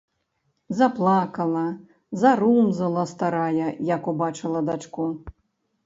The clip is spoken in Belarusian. Заплакала, зарумзала старая, як убачыла дачку.